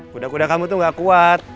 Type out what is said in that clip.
kuda kuda kamu tuh gak kuat